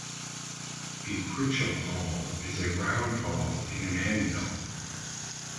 A pritchel hole is a round hole in an anvil.